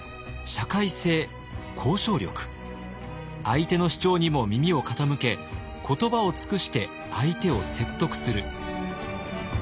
相手の主張にも耳を傾け言葉を尽くして相手を説得する。